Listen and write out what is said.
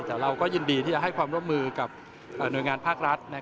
แต่เราก็ยินดีที่จะให้ความร่วมมือกับหน่วยงานภาครัฐ